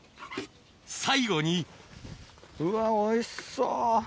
最後にうわおいしそう！